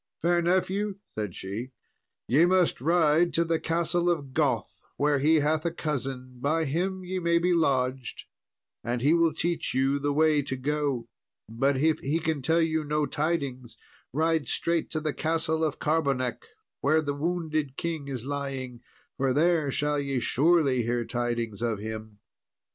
"Fair nephew," said she, "ye must ride to the Castle of Goth, where he hath a cousin; by him ye may be lodged, and he will teach you the way to go; but if he can tell you no tidings, ride straight to the Castle of Carbonek, where the wounded king is lying, for there shall ye surely hear true tidings of him."